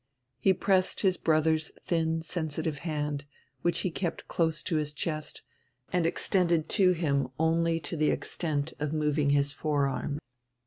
He pressed his brother's thin, sensitive hand, which he kept close to his chest, and extended to him only to the extent of moving his forearm.